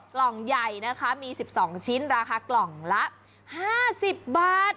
กล่องใหญ่นะคะมี๑๒ชิ้นราคากล่องละ๕๐บาท